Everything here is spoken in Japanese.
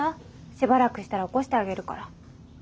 しばらくしたら起こしてあげるから。